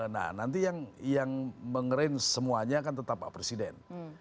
nah nanti yang mengeran semuanya kan tetap pak presiden